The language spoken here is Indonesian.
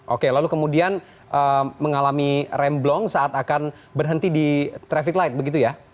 oke lalu kemudian mengalami remblong saat akan berhenti di traffic light begitu ya